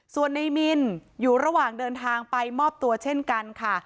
ส่วนในมินอยู่ระหว่างเดินทางไปมอบตัวเช่นกันค่ะ